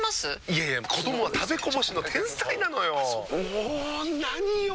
いやいや子どもは食べこぼしの天才なのよ。も何よ